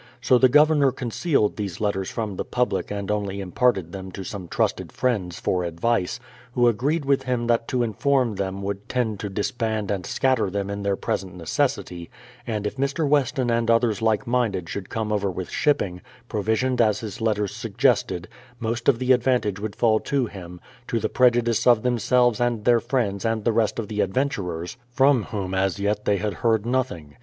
So the Governor concealed these letters from the public and only imparted them to some trusted friends for advice, who agreed with him that to inform them would tend to disband and scatter them in their present necessity; and if Mr, Weston and others like minded should come over with shipping, provisioned as his letters suggested, most of the advantage would fall to him, to the prejudice of themselves and their friends and the rest of the adventur ers, from whom as yet they had heard nothing.